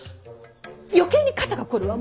余計に肩が凝るわ。